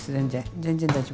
全然大丈夫。